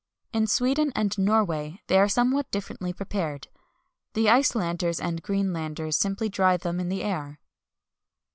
In Sweden and Norway they are somewhat differently prepared. The Icelanders and Greenlanders simply dry them in the air.